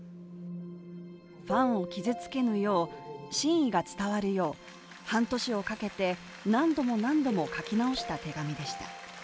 ファンを傷つけぬよう、真意が伝わるよう、半年をかけて何度も何度も書き直した手紙でした。